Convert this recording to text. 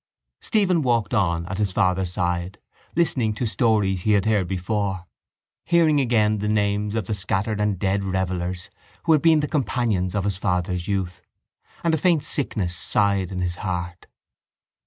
Stephen walked on at his father's side, listening to stories he had heard before, hearing again the names of the scattered and dead revellers who had been the companions of his father's youth. And a faint sickness sighed in his heart.